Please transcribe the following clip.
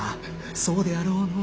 そうであろうのう。